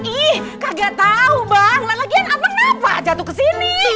ih kagak tau bang lagian abang kenapa jatuh kesini